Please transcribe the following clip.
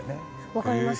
わかります。